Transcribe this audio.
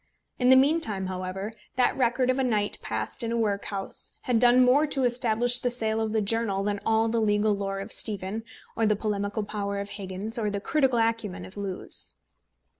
In the meantime, however, that record of a night passed in a workhouse had done more to establish the sale of the journal than all the legal lore of Stephen, or the polemical power of Higgins, or the critical acumen of Lewes.